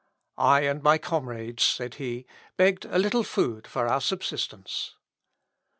"I and my comrades," says he, "begged a little food for our subsistence.